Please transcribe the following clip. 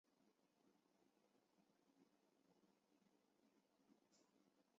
亚里士多德在那里还娶了赫米阿斯的侄女为妻。